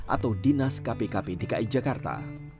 atau dinas kpkp dki jakarta